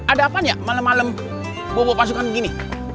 ada apa malam malam gue bawa pasukan begini